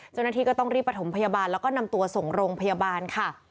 เจ้าหน้าที่ก็ต้องรีบประถมพยาบาลแล้วก็นำตัวส่งโรงพยาบาลค่ะ